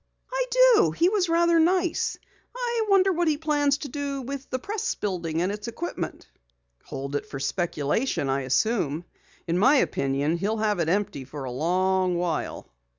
"I do. He was rather nice. I wonder what he plans to do with the Press building and its equipment." "Hold it for speculation, I assume. In my opinion he'll have it empty for a long while."